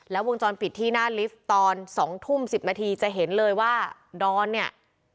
แล้ววงจรปิดที่หน้าลิฟต์ตอน๒ทุ่ม๑๐นาทีจะเห็นเลยว่าดอนเนี่ย